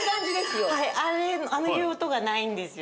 ああいう音がないんですよ。